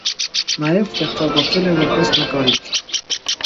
Նաև ստեղծագործել է որպես նկարիչ։